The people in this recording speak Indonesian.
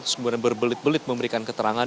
kemudian berbelit belit memberikan keterangan